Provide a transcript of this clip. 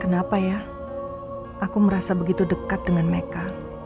kenapa ya aku merasa begitu dekat dengan mekan